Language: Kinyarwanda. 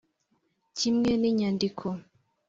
kimwe n'inyandiko